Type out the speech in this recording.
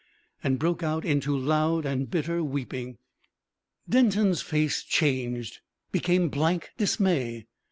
and broke out into loud and bitter weeping. Denton's face changed became blank dismay.